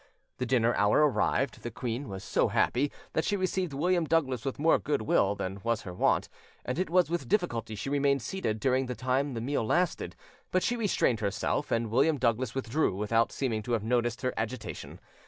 The dinner hour arrived: the queen was so happy that she received William Douglas with more goodwill than was her wont, and it was with difficulty she remained seated during the time the meal lasted; but she restrained herself, and William Douglas withdrew, without seeming to have noticed her agitation.